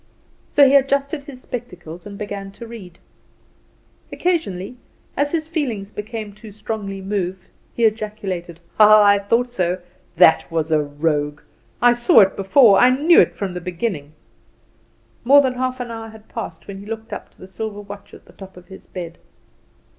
So he adjusted his spectacles and began to read. Occasionally, as his feelings became too strongly moved, he ejaculated: "Ah, I thought so! That was a rogue! I saw it before! I knew it from the beginning!" More than half an hour had passed when he looked up to the silver watch at the top of his bed.